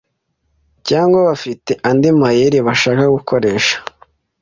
cyangwa bafite andi mayeri bashaka gukoresha